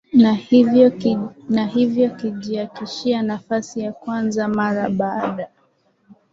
na hivyo kijiakishia nafasi ya kwanza mara baada